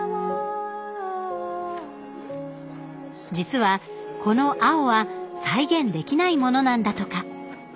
実はこの青は再現できないモノなんだとか。